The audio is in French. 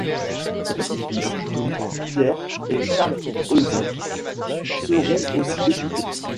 Ses petits-fils Louis, Pierre, et Charles Heuzey seront aussi députés.